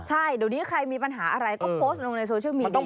ใช่เดี๋ยวนี้ใครมีปัญหาอะไรก็โพสต์ลงในโซเชียลมีได้